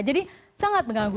jadi sangat mengganggu